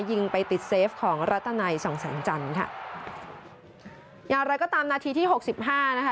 ยิงไปติดเซฟของรัตนัยสองแสงจันทร์ค่ะอย่างไรก็ตามนาทีที่หกสิบห้านะคะ